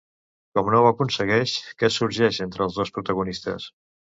Com no ho aconsegueix, què sorgeix entre els dos protagonistes?